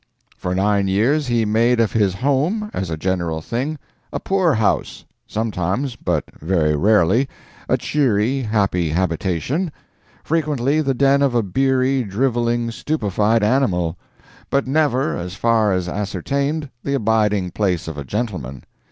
For nine years he made of his home, as a general thing, a poor house; sometimes (but very rarely) a cheery, happy habitation; frequently the den of a beery, drivelling, stupefied animal; but never, as far as ascertained, the abiding place of a gentleman.